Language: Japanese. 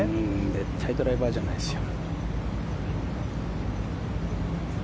絶対ドライバーじゃないですよ。